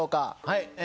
はい。